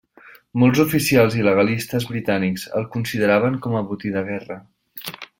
Molts oficials i legalistes britànics els consideraven com a botí de guerra.